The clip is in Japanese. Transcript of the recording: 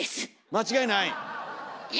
間違いない？